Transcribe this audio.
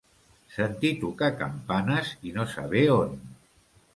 Sentir tocar campanes i no saber on.